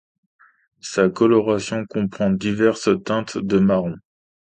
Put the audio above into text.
Sa coloration comprend diverses teintes de marron.